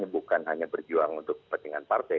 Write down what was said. bukan hanya berjuang untuk kepentingan partai